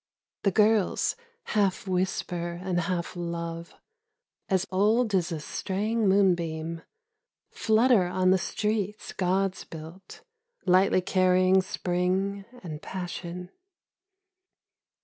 The girls, half whisper and half love, As old as a straying moonbeam, Flutter on the streets gods built, Lightly carrying Spring and passion.